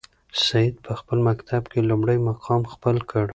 سعید په خپل مکتب کې لومړی مقام خپل کړ.